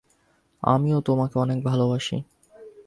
আমিও তোমাকে অনেক ভালবাসি।